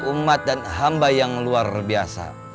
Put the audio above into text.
umat dan hamba yang luar biasa